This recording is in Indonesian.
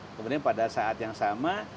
kemudian pada saat yang sama